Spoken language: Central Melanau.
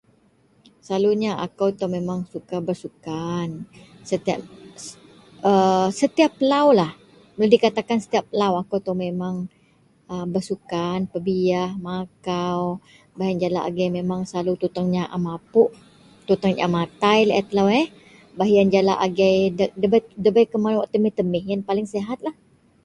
Selalunya akou itou memang suka bersukan. …[aaa]…Setiyap …aaa… setiyap laulah, boleh dikatakan setiyap lau akou itou memang bersukan, pebiyah, makau. Baih yen jalak agei mun selalu tuteng nyaem apuk, tuteng nyaem atai laei telou eheh. Baih yen jalak agei ndabei, ndabei keman wak temih-temih. Yen paling sihatlah.